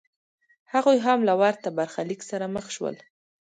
هغوی هم له ورته برخلیک سره مخ شول.